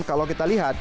kalau kita lihat